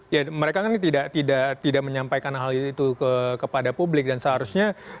ya mereka kan tidak menyampaikan hal itu kepada publik dan seharusnya